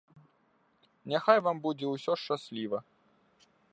Няхай вам будзе ўсё шчасліва.